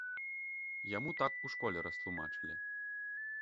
Яму так у школе растлумачылі.